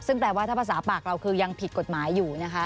ซึ่งแปลว่าถ้าภาษาปากเราคือยังผิดกฎหมายอยู่นะคะ